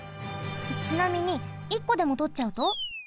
ちなみに１こでもとっちゃうと？